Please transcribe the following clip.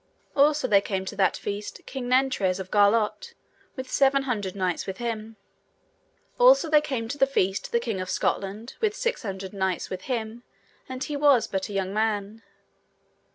Also there came to that feast King Nentres of Garlot, with seven hundred knights with him. Also there came to the feast the king of Scotland with six hundred knights with him, and he was but a young man.